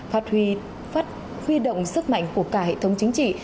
phát huy động sức mạnh của cả hệ thống chính trị